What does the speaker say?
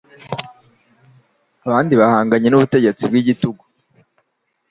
Abandi bahanganye n'ubutegetsi bw'igitugu